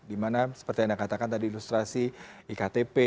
di mana seperti anda katakan tadi ilustrasi iktp